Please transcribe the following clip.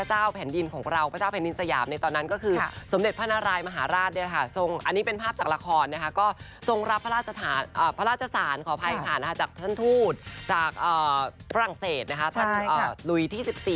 จากท่านทูฎจากฝรั่งเศสภนนั้นหลุยที่๑๔